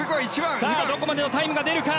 どこまでのタイムが出るか。